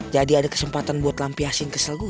jadi ada kesempatan buat lampi asing kesel gue